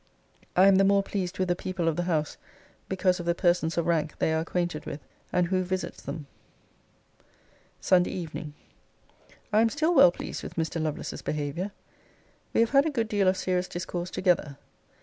I am the more pleased with the people of the house, because of the persons of rank they are acquainted with, and who visits them. SUNDAY EVENING. I am still well pleased with Mr. Lovelace's behaviour. We have had a good deal of serious discourse together.